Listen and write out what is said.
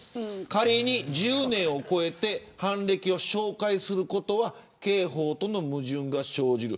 仮に１０年を超えて犯歴を照会することは刑法との矛盾が生じる。